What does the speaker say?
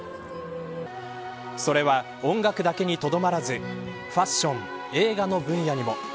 それは、音楽だけにとどまらずファッション、映画の分野にも。